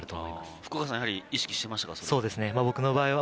福岡さんも意識してましたか？